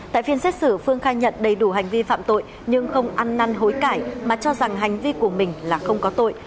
tại phiên xét xử phương khai nhận đầy đủ hành vi phạm tội nhưng không ăn năn hối cải mà cho rằng hành vi của mình là không có tội